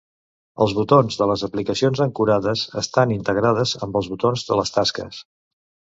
Els botons de les aplicacions ancorades estan integrades amb els botons de les tasques.